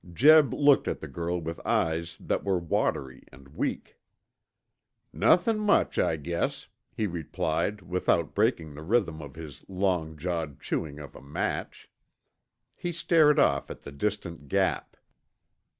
Jeb looked at the girl with eyes that were watery and weak. "Nothin' much, I guess," he replied without breaking the rhythm of his long jawed chewing of a match. He stared off at the distant Gap.